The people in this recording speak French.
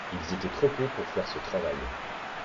Ils étaient trop peu pour faire ce travail.